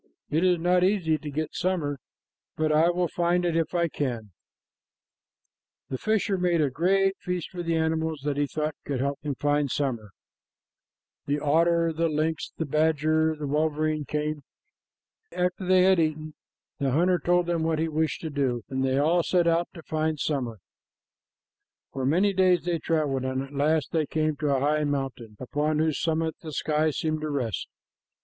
"It is not easy to get summer, but I will find it if I can." PART II. The fisher made a great feast for the animals that he thought could help him to find summer. The otter, the lynx, the badger, and the wolverine came. After they had eaten, the hunter told them what he wished to do, and they all set out to find summer. For many days they traveled, and at last they came to a high mountain upon whose summit the sky seemed to rest.